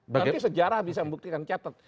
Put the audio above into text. nanti sejarah bisa membuktikan catat